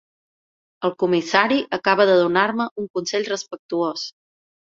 El comissari acaba de donar-me un consell respectuós.